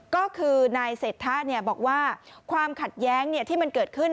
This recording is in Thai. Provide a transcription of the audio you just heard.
ก็คือนายเศรษฐะบอกว่าความขัดแย้งที่มันเกิดขึ้น